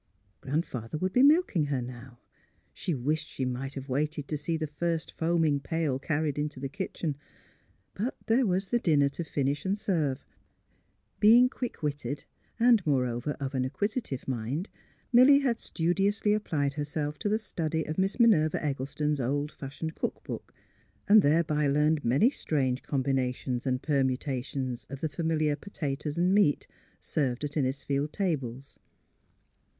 Grandfather would be milking her now. She wished she might have waited to see the first foam ing pail carried into the kitchen. But there was the dinner to finish and serve. Being quick witted and, moreover, of an acquisitive mind, Milly had studiously applied herself to the study of Miss Minerva Eggleston's old fashioned cook book, and thereby learned many strange combinations and permutations of the familiar '' potatoes 'n' meat " served at Innisfield tables.